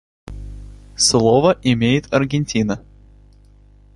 Слово имеет Аргентина.